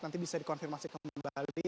nanti bisa dikonfirmasi kembali